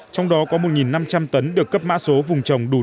trong đó có một năm trăm linh tấn được cấp mã số vùng trồng đủ điều kiện